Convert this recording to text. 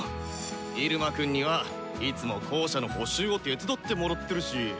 イルマくんにはいつも校舎の補修を手伝ってもらってるし。